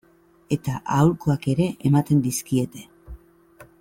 Eta aholkuak ere ematen dizkiete.